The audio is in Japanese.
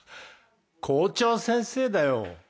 校長先生だよ。